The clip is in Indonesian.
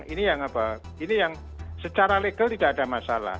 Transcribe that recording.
ini yang secara legal tidak ada masalah